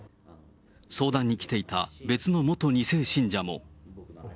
相談に来ていた別の元２世信者も。